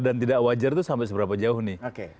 dan tidak wajar itu sampai seberapa jauh nih